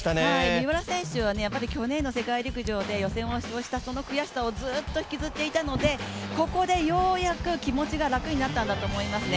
三浦選手、去年の世陸陸上で予選落ちをした悔しさをずーっと引きずっていたのでここでようやく気持ちが楽になったんだと思いますね。